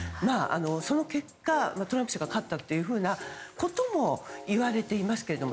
その結果、トランプ氏が勝ったということもいわれていますけれども。